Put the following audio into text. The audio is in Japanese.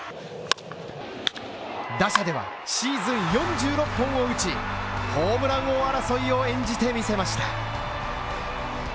打者では、シーズン４６号のうち、ホームラン王争いを演じてみせました。